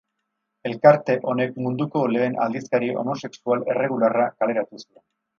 Elkarte honek munduko lehen aldizkari homosexual erregularra kaleratu zuen.